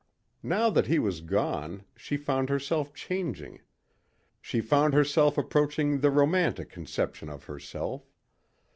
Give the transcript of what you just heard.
Now that he was gone she found herself changing. She found herself approaching the romantic conception of herself.